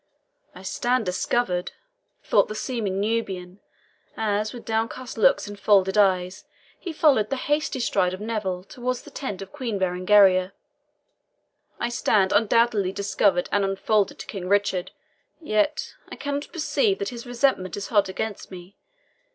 "I stand discovered," thought the seeming Nubian, as, with downcast looks and folded arms, he followed the hasty stride of Neville towards the tent of Queen Berengaria "I stand undoubtedly discovered and unfolded to King Richard; yet I cannot perceive that his resentment is hot against me.